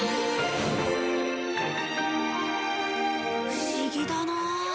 不思議だなあ。